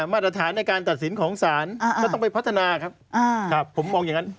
มาตรฐานในการตัดสินของศาลก็ต้องไปพัฒนาครับผมมองอย่างนั้น